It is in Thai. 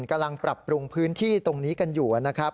กำลังปรับปรุงพื้นที่ตรงนี้กันอยู่นะครับ